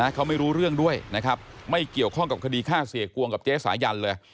เขาไม่รู้เรื่องด้วยนะครับไม่เกี่ยวข้องกับคดีฆ่าเสียกวงกับเจ๊สายันเลย